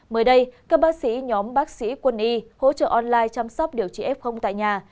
mới đây các bác sĩ nhóm bác sĩ quân y hỗ trợ online chăm sóc điều trị f tại nhà